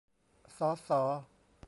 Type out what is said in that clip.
ศอ ษอ